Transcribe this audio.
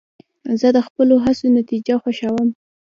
زه د خپلو هڅو نتیجه خوښوم.